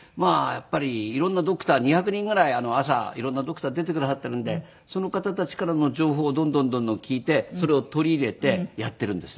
やっぱり色んなドクター２００人ぐらい朝色んなドクター出てくださっているんでその方たちからの情報をどんどんどんどん聞いてそれを取り入れてやっているんですね。